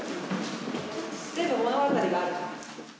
全部物語がある。